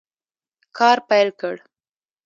کار پیل کړ.